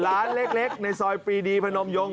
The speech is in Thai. ร้านเล็กในซอยปีดีพนมยง